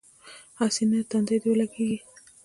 هسې نه تندی دې ولګېږي.